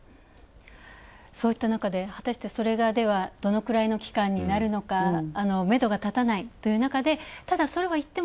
そういったなかで果たして、ではどのくらいの期間になるのか、めどがたたないというなかで。